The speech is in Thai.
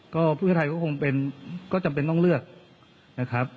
ก็เพื่อไทยก็คงเป็นก็จำเป็นต้องเลือกนะครับ